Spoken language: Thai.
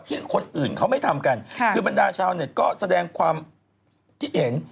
คนอื่นเขาไม่ทำกันคือบรรดาชาวเน็ตก็แสดงความคิดเห็น